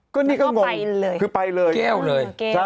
ก็นี่ก็งงเลยคือไปเลยแก้วเลย